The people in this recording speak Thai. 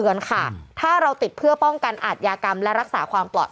อืมอืมอืมอืมอืมอืม